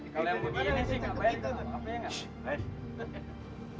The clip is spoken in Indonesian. kalau yang mau gini sih gak bayar juga ngapa ngapain ya